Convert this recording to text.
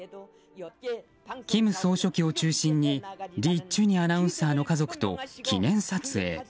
金総書記を中心にリ・チュニアナウンサーの家族と記念撮影。